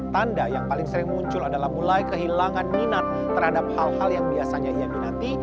tanda yang paling sering muncul adalah mulai kehilangan minat terhadap hal hal yang biasanya ia minati